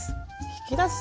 引き出す！